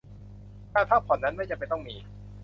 การพักผ่อนนั้นไม่จำเป็นต้องมี